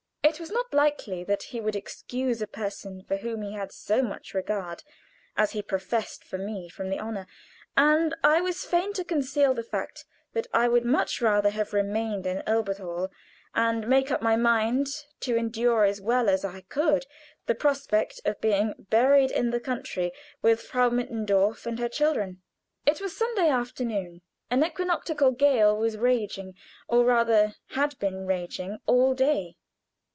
It was not likely that he would excuse a person for whom he had so much regard as he professed for me from the honor, and I was fain to conceal the fact that I would much rather have remained in Elberthal, and make up my mind to endure as well as I could the prospect of being buried in the country with Frau Mittendorf and her children. It was Sunday afternoon. An equinoctial gale was raging, or rather had been raging all day.